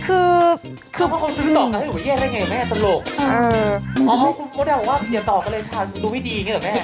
ดูวิดีอย่างนี้แหละแม่